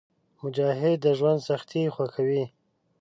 مجاهد د ژوند سختۍ خوښوي.